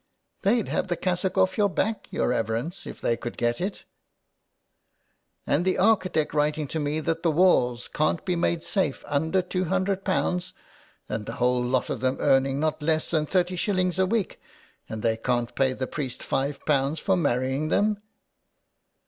" They'd have the cassock off your back, your reverence, if they could get it." 49 I> SOME PARISHIONERS. " And the architect writing to me that the walls can't be made safe under ;^20o, and the whole lot of them earning not less than thirty shillings a week, and they can't pay the priest five pounds for marrying them."